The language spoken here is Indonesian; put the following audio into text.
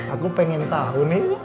aku pengen tau nih